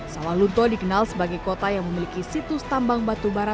sawah lunto dikenal sebagai kota yang memiliki situs tambang batubara